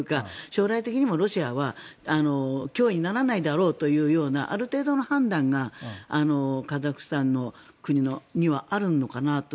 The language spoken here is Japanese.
将来的にもロシアは脅威にならないだろうというある程度の判断がカザフスタンの国にはあるのかなと。